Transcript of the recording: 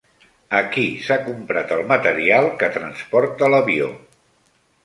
A qui s'ha comprat el material que transporta l'avió?